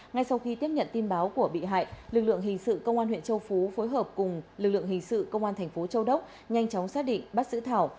ngay sau khi tiếp nhận tin báo của bị hại lực lượng hình sự công an huyện châu phú phối hợp cùng lực lượng hình sự công an thành phố châu đốc nhanh chóng xác định bắt giữ thảo